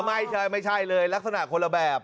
ไม่ใช่ไม่ใช่เลยลักษณะคนละแบบ